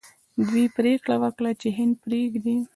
دوی پریکړه وکړه چې هند پریږدي.